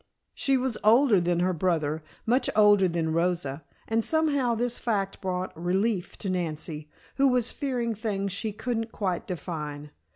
She was older than her brother, much older than Rosa, and somehow this fact brought relief to Nancy, who was fearing things she couldn't quite define.